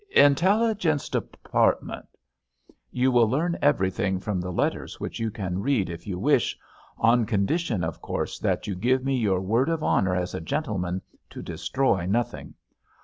"Intelligence Department——" "You will learn everything from the letters, which you can read if you wish—on condition, of course, that you give me your word of honour as a gentleman to destroy nothing.